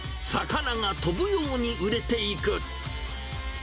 魚が飛ぶように売れていく。